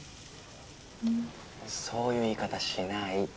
そういう言い方しない。